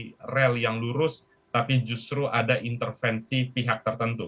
tidak berjalan di relasi yang lurus tapi justru ada intervensi pihak tertentu